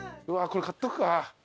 これ買っとくか。